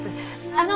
あの！